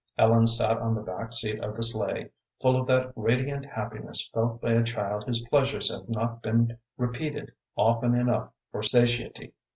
Ellen sat on the back seat of the sleigh, full of that radiant happiness felt by a child whose pleasures have not been repeated often enough for satiety.